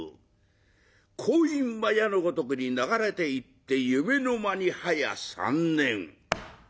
光陰は矢のごとくに流れていって夢の間にはや３年。